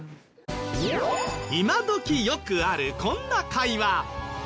今どきよくあるこんな会話。